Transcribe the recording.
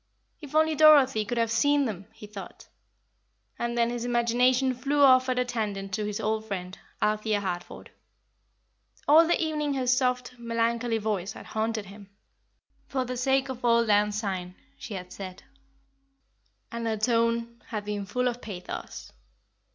If only Dorothy could have seen them! he thought. And then his imagination flew off at a tangent to his old friend, Althea Harford. All the evening her soft, melancholy voice had haunted him. "For the sake of auld lang syne" she had said, and her tone had been full of pathos.